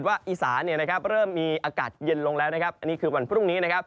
หวีอิสานเริ่มการอากาศเย็นลงได้ก็คือตอนปรุงนี้